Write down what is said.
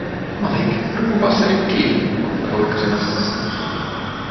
"Malik, ruuvvaa se ny kii", Uffe huikkasi nostimesta.